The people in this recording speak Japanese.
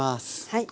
はい。